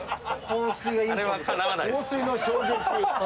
放水の衝撃。